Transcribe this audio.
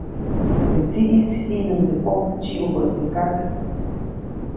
Teʼ tsiʼis jiʼnuŋde pojk tsiʼubä teʼ kak.